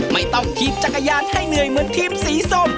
ไม่ต้องถีบจักรยานให้เหนื่อยเหมือนทีมสีส้ม